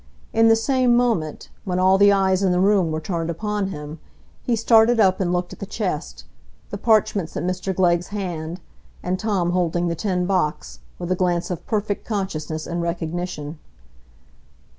In the same moment, when all the eyes in the room were turned upon him, he started up and looked at the chest, the parchments in Mr Glegg's hand, and Tom holding the tin box, with a glance of perfect consciousness and recognition.